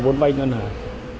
vốn vai ngân hàng